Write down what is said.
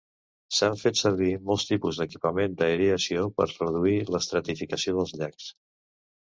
S'han fet servir molts tipus d'equipament d'aeració per reduir l'estratificació dels llacs.